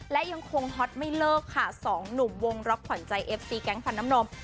และยังคงฮอตไม่เลิกค่ะสองหนุ่มวงล็อกขวัญใจเอฟซีแก๊งฟันน้ำนม